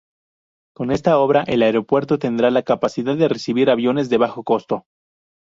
Con esta obra el aeropuerto tendrá la capacidad de recibir aviones de bajo costo.